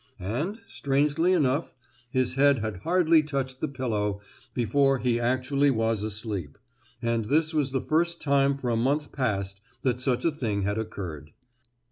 And, strangely enough, his head had hardly touched the pillow before he actually was asleep; and this was the first time for a month past that such a thing had occurred.